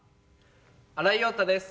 新井庸太です。